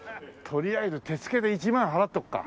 とりあえず手付けで１万払っとくか。